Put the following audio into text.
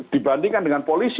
dibandingkan dengan polisi